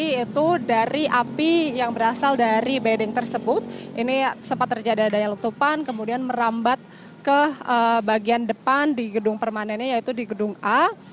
jadi itu dari api yang berasal dari bedeng tersebut ini sempat terjadi adanya letupan kemudian merambat ke bagian depan di gedung permanennya yaitu di gedung a